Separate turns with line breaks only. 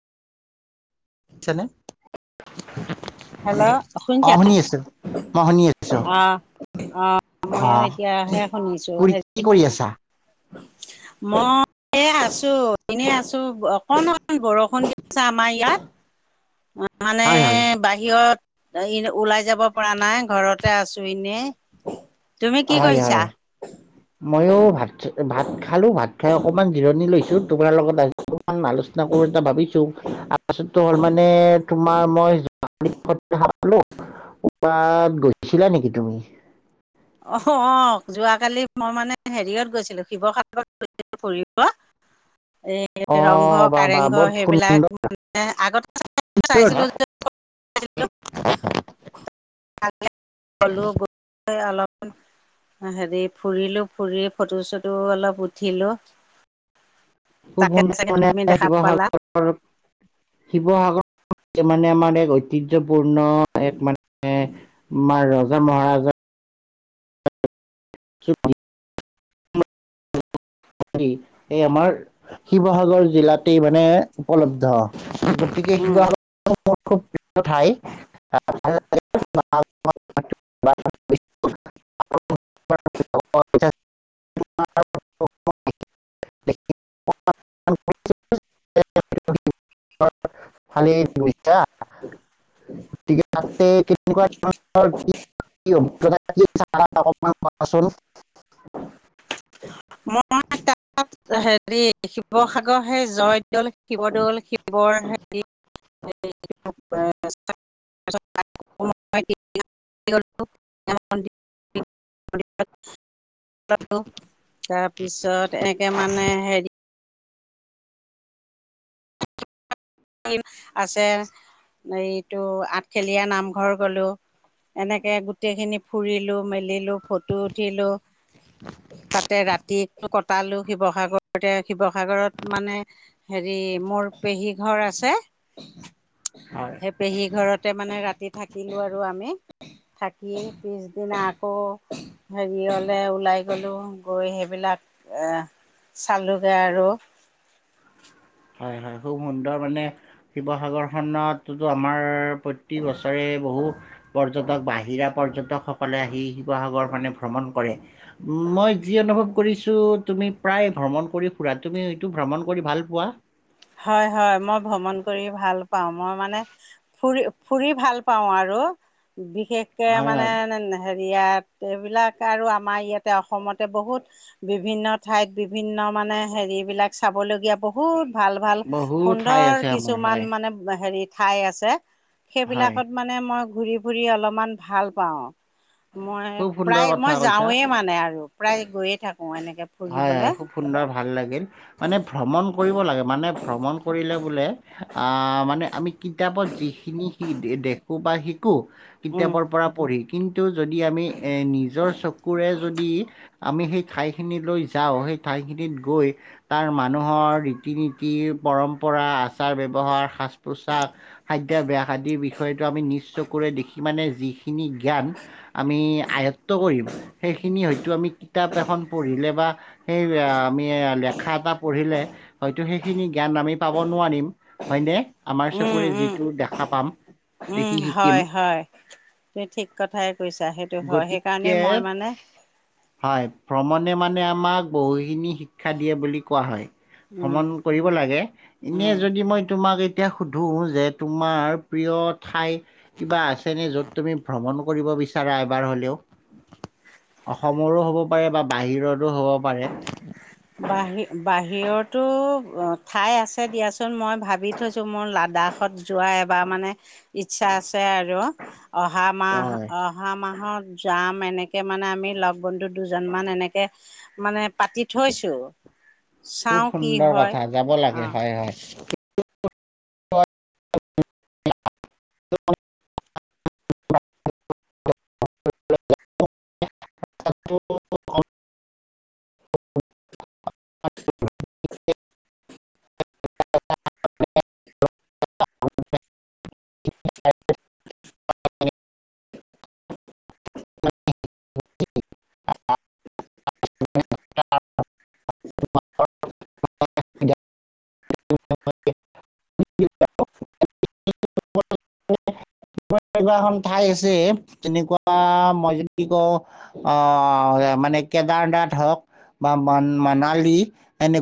শুনিছা নে?
হেল্ল'
অ
শুনিছা
শুনি আছো। অ শুনি আছো।
অ' ময়ো
আহ, কি
এতিয়াহে শুনিছো
কৰি
হে
কি কৰি আছা?
মই এই আছো। এনেই আছো অকন অকন বৰষুণ দি আছে আমাৰ ইয়াত। মানে
হয় হয়
বাহিৰত ওলাই যাব পৰা নাই ঘৰতে আছো এনেই।
হয়, হয়। ময়ো ভাত ভাত খালো ভাত খাই অকমান জিৰণি লৈছো তোমাৰ লগত আ অকমান আলোচনা কৰো এটা ভাবিছো। আ [inaudible] [unintelligible] গৈছিলা নেকি তুমি?
অ', অ', যোৱাকালি মই মানে হেৰিয়ত গৈছিলোঁ শিৱসাগৰত গৈছিলো ফুৰিব। এ
অ
ৰংঘৰ,
বা বা বৰ
কাৰেংঘৰ,
সুন্দৰ
সেইবিলাক মানে [unintelligible] [inaudible] হেৰি ফুৰিলো ফুৰি ফটো চটো অলপ উঠিলো।
খুব
তাকে
সুন্দৰ
চাগে
মানে
তুমি দেখা পালা।
[inaudible] ঐতিহ্যপূৰ্ণ এক মানে আমাৰ ৰজা মহাৰজা। [inaudible] এই আমাৰ শিৱসাগৰ জিলাতেই মানে উপলব্ধ। গতিকে
উম,
শিৱসাগৰ [inaudible] [inaudible] [inaudible] [inaudible] [inaudible] [unintelligible] কোৱাচোন।
তাত হেৰি শিৱসাগৰ হে জয়দৌল, শিৱদৌল, শিৱৰ হে [inaudible] [inaudible]
[inaudible]
[unintelligible] তাৰপিছত এনেকে মানে হেৰি আছে, এইটো আঠখেলীয়া নামঘৰ গ'লো। এনেকে গোটেইখিনি ফুৰিলো মেলিলো ফটো উঠিলো। তাতে ৰাতিটো কটালো শিৱসাগৰতে শিৱসাগৰত মানে হেৰি মোৰ পেহী ঘৰ আছে।
হয়
পেহী ঘৰতে মানে ৰাতি থাকিলো আৰু আমি। থাকি পিছদিনা আকৌ হেৰিয়লে ওলাই গ'লো গৈ সেইবিলাক এ চালোগে আৰু।
হয়, হয়, খুব সুন্দৰ মানে শিৱসাগৰখনতো আমাৰ প্ৰতি বছৰে বহু পৰ্যটক বাহিৰা পৰ্যটকসকলে আহি শিৱসাগৰ মানে ভ্ৰমণ কৰে। মই যি অনুভৱ কৰিছোঁ তুমি প্ৰায় ভ্ৰমণ কৰি ফুৰা তুমি হয়তো ভ্ৰমণ কৰি ভাল পোৱা?
হয়, হয়, মই ভ্ৰমণ কৰি ভাল পাওঁ। মই মানে ফুৰি ফুৰি ভাল পাওঁ আৰু বিশেষকে
হয়
মানে
হয়
হেৰিয়াত এইবিলাক আৰু আমাৰ ইয়াতে অসমতে বহুত বিভিন্ন ঠাইত বিভিন্ন মানে হেৰি বিলাক চাবলগীয়া বহুত ভাল ভাল
বহু ঠাই
সুন্দৰ
আছে আমাৰ হয়
কিছুমান মানে হেৰি ঠাই আছে।
হয়
সেইবিলাকত মানে মই ঘুৰি ফুৰি অলপমান ভাল পাওঁ মই
খুব সুন্দৰ
প্ৰায়
কথা
মই
কৈছা
যাওঁৱে মান নাই আৰু প্ৰায় গৈয়ে থাকো- এনেকে
হয়ঁ
ফুৰিবলে
হয়ঁ খুব সুন্দৰ ভাল লাগিল। মানে ভ্ৰমণ কৰিব লাগে মানে ভ্ৰমণ কৰিলে বোলে। আহ মানে আমি কিতাপত যিখিনি দেখো বা শিকো-
উম
কিতাপৰ পৰা পঢ়ি- কিন্তু যদি আমিএ নিজৰ চকুৰে যদি আমি সেই খাই- খিনিলৈ যাওঁ সেই ঠাইখিনিত গৈ- তাৰ মানুহৰ ৰীতি নীতি পৰম্পৰা আচাৰ ব্যৱহাৰ সাজ পোছাক। খাদ্য আইভ্যা আদিৰ বিষয়টো আমি নিশ্চকুৰে দেখি মানে যি- খিনি জ্ঞান আমি আয়ত্ত্ব কৰিম সেইখিনি হয়তো আমি কিতাপ এখন। পঢ়িলে বা সেই আমি লেখা এটা পঢ়িলে- হয়তো সেইখিনি জ্ঞান আমি পাব নোৱাৰিম হয়নে আমাৰ চকুৰে যিটো দেখা পাম। দেখি
উমঁ
শিকিম
হয়ঁ হয়ঁ। তুমি ঠিক কথাই কৈছা সেইটো হয় সেইকাৰণেই মই মানে-
হয়ঁ ভ্ৰমণে মানে আমাক বহুখিনি শিক্ষা দিয়ে বুলি কোৱা হয়।
উম
ভ্ৰমণ কৰিব লাগে এনে
উম
যদি মই তোমাক- এতিয়া সুধোঁ যে তোমাৰ প্ৰিয় ঠাই- কিবা আছেনে য'ত তুমি ভ্ৰমণ কৰিব বিচাৰা এবাৰ হ'লেও। অসমৰো হ'ব পাৰে বা বাহিৰৰো হ'ব পাৰে-
বাহিৰ বাহিৰতো ঠাই আছে দিয়াচোন মই ভাবি থৈছোঁ মোৰ লাডাখত যোৱা এবাৰ মানে ইচ্ছা আছে আৰু অহা মাহ
হয়
অঁ। অহা মাহত যাম এনেকৈ মানে আমি লগ বন্ধু দুজনমান এনেকে। মানে পাতি থৈছো চাওঁ কি হঁয় অঁ।
হে গাইছ [inaudible]
[inaudible] [inaudible]
[unintelligible]
ওচচচ
[inaudible] [inaudible] এনেকোৱা এখন ঠাই আছে তেনেকুৱা মই যদি কি কওঁ- আহ মানে কেদাৰনাথ হওঁক বা মন মানালী।